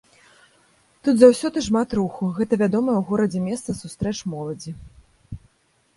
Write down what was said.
Тут заўсёды шмат руху, гэта вядомае ў горадзе месца сустрэч моладзі.